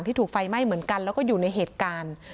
ถูกไฟไหม้เหมือนกันแล้วก็อยู่ในเหตุการณ์